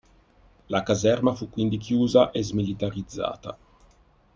La caserma fu quindi chiusa e smilitarizzata.